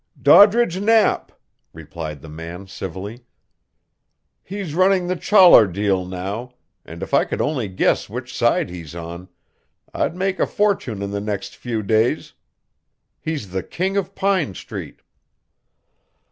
"Doddridge Knapp," replied the man civilly. "He's running the Chollar deal now, and if I could only guess which side he's on, I'd make a fortune in the next few days. He's the King of Pine Street."